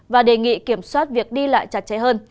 và đề nghị kiểm soát việc đi lại chặt chẽ hơn